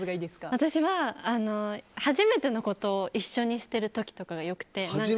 私は初めてのことを一緒にしてる時とかが良くて。